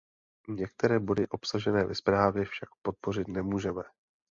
Některé body obsažené ve zprávě však podpořit nemůžeme.